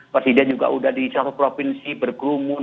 presiden juga sudah di suatu provinsi berkerumun